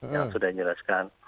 yang sudah dijelaskan